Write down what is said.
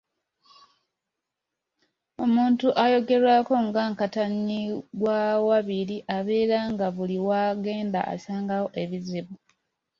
Omuntu ayogerwako nga Nkatannyigwawabiri abeera nga buli w’agenda asangawo ebizibu.